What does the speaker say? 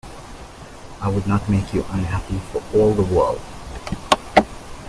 I would not make you unhappy for all the world!